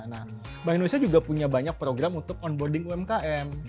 nah bank indonesia juga punya banyak program untuk onboarding umkm